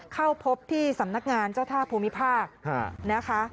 เข้าพบที่สำนักงานเจ้าท่าภูมิภาคนะคะ